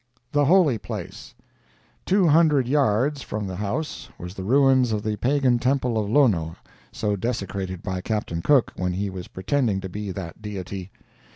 THE HOLY PLACE Two hundred yards from the house was the ruins of the pagan temple of Lono, so desecrated by Captain Cook when he was pretending to be that deity.